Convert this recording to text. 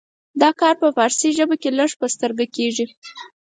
دا کار په فارسي ژبه کې لږ په سترګه کیږي.